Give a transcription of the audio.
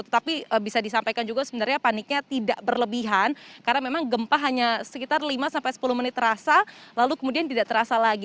tetapi bisa disampaikan juga sebenarnya paniknya tidak berlebihan karena memang gempa hanya sekitar lima sampai sepuluh menit terasa lalu kemudian tidak terasa lagi